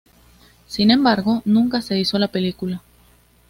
Sin embargo, nunca se hizo la película.